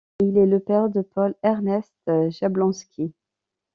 Il est le père de Paul Ernest Jablonski.